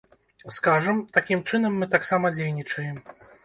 Скажам, такім чынам мы таксама дзейнічаем.